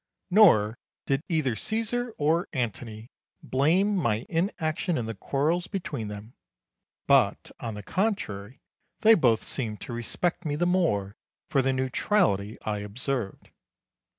Nor did either Caesar or Antony blame my inaction in the quarrels between them; but, on the contrary, they both seemed to respect me the more for the neutrality I observed.